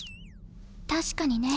確かにね。